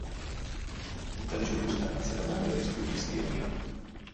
In tali circostanze la mano è a rischio di ischemia.